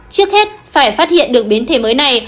trước hết phải phát hiện được biến thể mới này